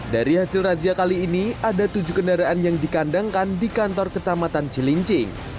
dari hasil razia kali ini ada tujuh kendaraan yang dikandangkan di kantor kecamatan cilincing